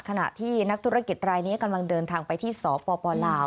ขณะที่นักธุรกิจรายนี้กำลังเดินทางไปที่สปลาว